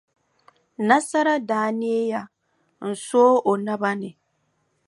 Nasara daa neeya n-sooi o naba ni.